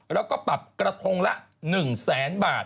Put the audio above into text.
แล้วก็ปรับกระทงละ๑แสนบาท